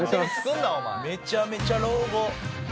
めちゃめちゃ老後。